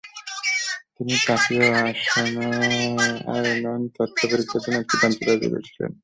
তিনি তাপীয় আয়নন তথ্য পরীক্ষার জন্য একটি যন্ত্র তৈরি করেছিলেন।